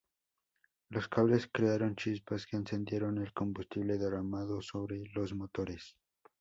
Los cables crearon chispas que encendieron el combustible derramado sobre los motores.